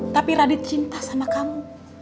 tapi radit cinta sama kamu